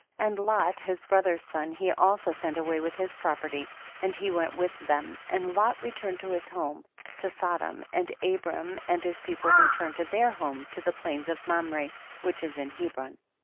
19. And Lot, his brother's son, he also sent away wiUi his property, and he* went with them, and Lot returned to his home, to Sodom, and Abram and his people returned to their home to the plains of Mamre which is in Hebron.